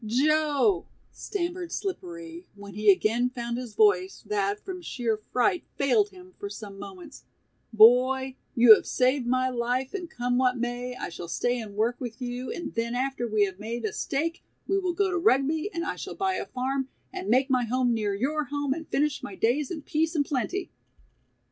"Joe," stammered Slippery, when he again found his voice that from sheer fright failed him for some moments, "boy, you have saved my life and come what may I shall stay and work with you and then after we have made a 'stake' we will go to Rugby and I shall buy a farm and make my home near your home and finish my days in peace and plenty."